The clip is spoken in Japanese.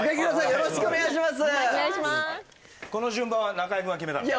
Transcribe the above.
よろしくお願いします